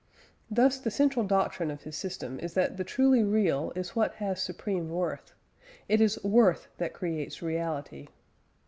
Thus the central doctrine of his system is that the truly Real is what has supreme worth: it is worth that creates reality.